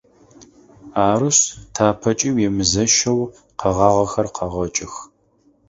Арышъ, тапэкӏи уемызэщэу къэгъагъэхэр къэгъэкӏых.